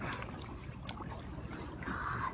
อืม